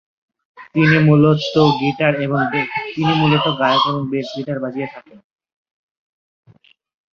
তিনি মূলত গায়ক এবং বেস গীটার বাজিয়ে থাকেন।